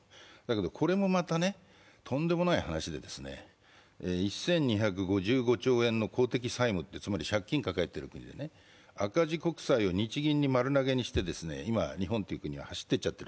これもまたとんでもない話で１２５５兆円の公的債務、つまり借金を抱えているわけで、赤字国債を日銀に丸投げにして今、日本という国は走っていっちゃってる。